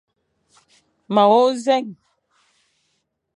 Ma wôkh nzèn.